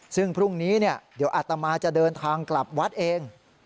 ซึ่งพรุ่งนี้เดี๋ยวอัตมาจะเดินทางกลับวัดเอง